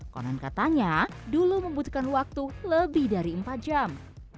konon katanya dulu membutuhkan waktu lebih dari empat jam